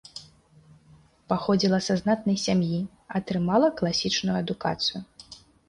Паходзіла са знатнай сям'і, атрымала класічную адукацыю.